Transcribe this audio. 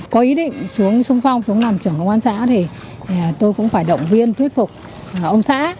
có ý định chú sông phong chú làm trưởng công an xã thì tôi cũng phải động viên thuyết phục ông xã